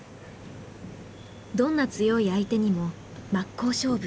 どんな強い相手にも真っ向勝負。